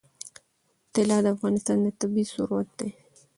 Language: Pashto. طلا د افغانستان طبعي ثروت دی.